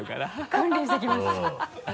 訓練してきます。